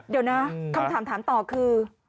เดี๋ยวนะคำถามถามต่อคือ